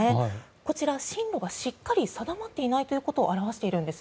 こちら、進路がしっかり定まっていないということを表しているんです。